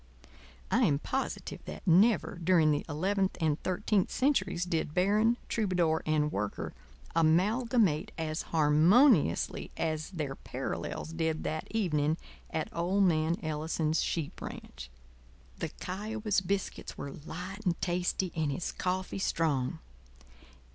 I am positive that never during the eleventh and thirteenth centuries did Baron, Troubadour, and Worker amalgamate as harmoniously as their parallels did that evening at old man Ellison's sheep ranch. The Kiowa's biscuits were light and tasty and his coffee strong.